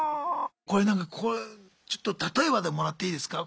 これなんかこれ例えばでもらっていいですか？